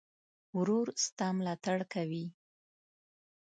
ورور ستا ملاتړ کوي.